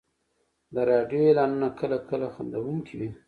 د راډیو اعلانونه کله کله خندونکي وي.